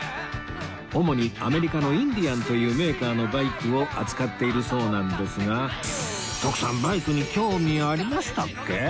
主にアメリカのインディアンというメーカーのバイクを扱っているそうなんですが徳さんバイクに興味ありましたっけ？